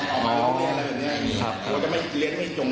บอกออกมาออกเรียนอะไรแบบนี้ครับครับครับเรียนไม่จง